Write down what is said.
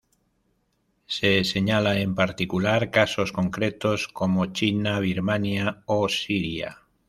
Se señala, en particular, casos concretos como China, Birmania o Siria.